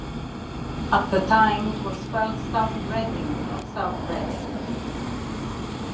At the time it was spelled "South Redding", not "South Reading".